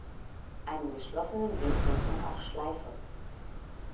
Einen geschlossenen Weg nennt man auch "Schleife".